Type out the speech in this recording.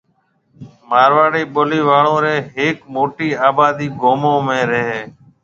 مارواڙي بولڻ آݪو رِي ھيَََڪ موٽِي آبادي گومون ۾ رَي ھيَََ